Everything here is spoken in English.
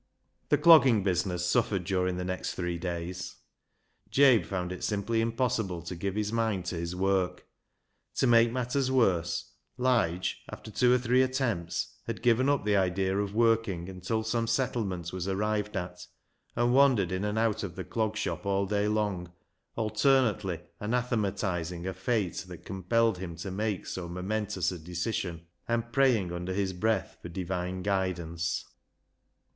The clogging business suffered during the next three days. Jabe found it simply impos sible to give his mind to his work. To make matters worse, Lige, after two or three attempts, had given up the idea of working until some settlement was arrived at, and wandered in and out of the Clog Shop all day long, alternately anathematising a fate that compelled him to make so momentous a decision, and praying under his breath for Divine guidance.